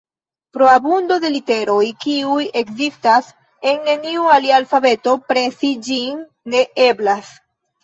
Pro abundo de literoj, kiuj ekzistas en neniu alia alfabeto, presi ĝin ne eblas.